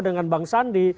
dengan bang sandi